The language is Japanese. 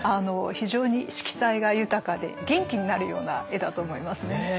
非常に色彩が豊かで元気になるような絵だと思いますね。